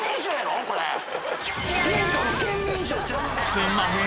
すんまへん。